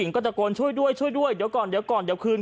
ก็ตะโกนช่วยด้วยช่วยด้วยเดี๋ยวก่อนเดี๋ยวก่อนเดี๋ยวคืน